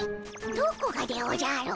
どこがでおじゃる。